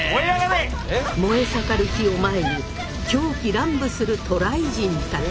燃え盛る火を前に狂喜乱舞する渡来人たち。